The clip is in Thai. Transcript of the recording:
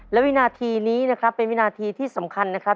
และวินาทีนี้นะครับเป็นวินาทีที่สำคัญนะครับ